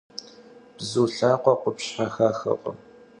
Bzu lhakhue khupşhe xaxırkhım.